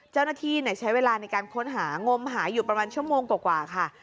เจ้าหน้าที่ใช้เวลาในการค้นหางมหาอยู่ประมาณชั่วโมงกว่าค่ะ